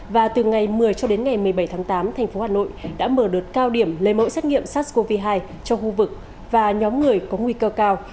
và từ ngày một mươi cho đến ngày một mươi bảy tháng tám thành phố hà nội đã mở đợt cao điểm lấy mẫu xét nghiệm sars cov hai cho khu vực và nhóm người có nguy cơ cao